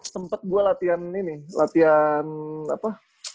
sempat gue latihan ini latihan apa